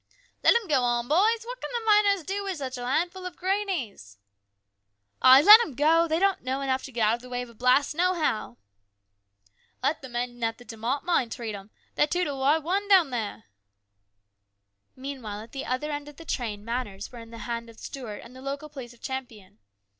" Let 'em go on, boys ! What can the miners do with such a handful of greenies ?"" Ay, let 'em go ! They don't know enough to get out of the way of a blast, nohow !"" Let the men at De Mott treat 'em. They're two to our one down there !" Meanwhile, at the other end of the train, matters were in the hands of Stuart and the local police of Champion.